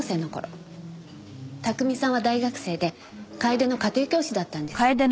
巧さんは大学生で楓の家庭教師だったんです。